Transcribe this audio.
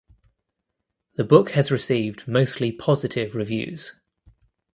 The book has received mostly positive reviews.